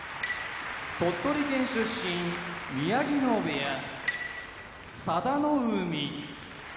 鳥取県出身宮城野部屋佐田の海